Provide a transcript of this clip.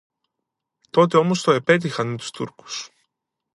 Τότε όμως το επέτυχαν με τους Τούρκους